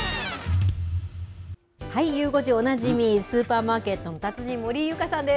ゆう５時おなじみ、スーパーマーケットの達人、森井ユカさんです。